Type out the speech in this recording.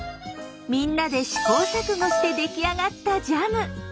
みんなで試行錯誤して出来上がったジャム。